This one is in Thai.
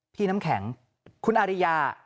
พี่น้ำแข็งคุณอาริยา